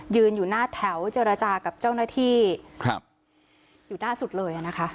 ยืนอยู่หน้าแถวเจรจากับเจ้าหน้าที่อยู่หน้าสุดเลยนะคะ